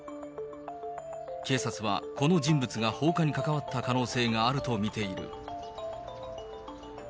警察はこの人物が放火に関わった可能性があると見ている。